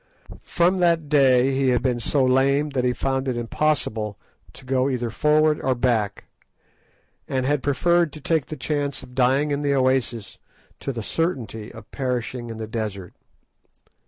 From that day he had been so lame that he found it impossible to go either forward or back, and had preferred to take the chances of dying in the oasis to the certainty of perishing in the desert.